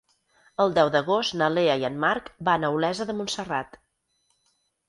El deu d'agost na Lea i en Marc van a Olesa de Montserrat.